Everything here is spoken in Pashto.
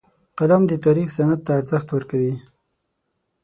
قلم د تاریخ سند ته ارزښت ورکوي